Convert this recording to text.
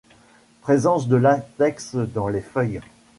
Présence de latex dans les feuilles.